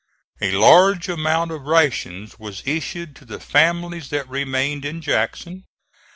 A large amount of rations was issued to the families that remained in Jackson.